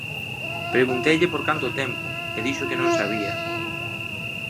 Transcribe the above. Pregunteille por canto tempo, e dixo que non sabía.